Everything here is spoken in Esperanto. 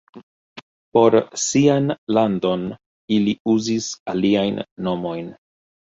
Por sian landon ili uzis aliajn nomojn.